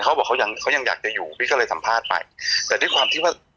เขาบอกเขายังเขายังอยากจะอยู่พี่ก็เลยสัมภาษณ์ไปแต่ด้วยความที่ว่า